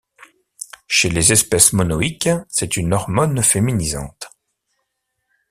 Chez les espèces monoïques, c'est une hormone féminisante.